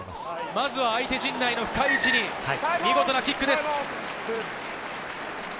まずは相手陣内の深い位置に見事なキックです。